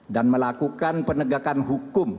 dan melakukan penegakan hukum